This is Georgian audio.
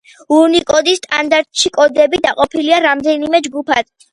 უნიკოდის სტანდარტში კოდები დაყოფილია რამდენიმე ჯგუფად.